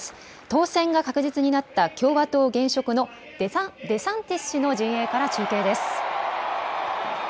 当選が確実になった共和党現職のでデサンティス氏の陣営から中継です。